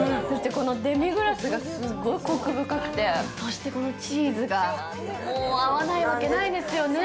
このデミグラスがすごいこく深くてそしてこのチーズが、もう合わないわけないですよね。